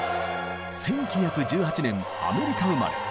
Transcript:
１９１８年アメリカ生まれ。